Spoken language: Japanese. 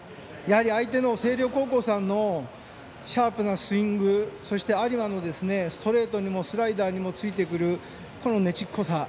相手の星稜高校さんのシャープなスイングそして有馬のストレートにもスライダーにもついてくるねちっこさ。